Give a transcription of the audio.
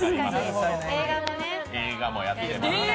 映画もやってます。